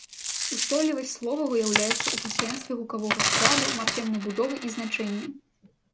Устойлівасць слова выяўляецца ў пастаянстве гукавога складу, марфемнай будовы і значэння.